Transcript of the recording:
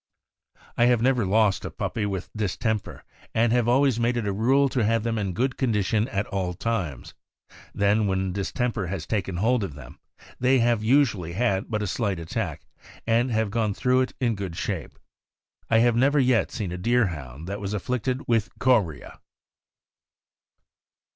I have never lost a puppy with distemper, and have always made it a rule to have them in good condition at all times; then when distemper has taken hold of them, they have usually had but a slight attack, and have gone through it in good shape. I have never yet seen a Deer hound that was afflicted with chorea.